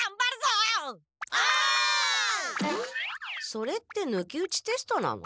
それって抜き打ちテストなの？